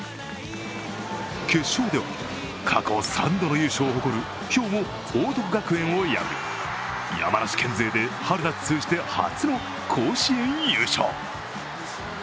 決勝では過去３度の優勝を誇る兵庫・報徳学園を破り山梨県勢で春夏通じて初の甲子園優勝。